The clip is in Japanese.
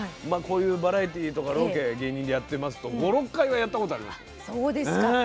まあこういうバラエティーとかロケ芸人でやってますと５６回はやったことありますよ。